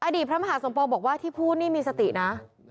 พระมหาสมปองบอกว่าที่พูดนี่มีสตินะ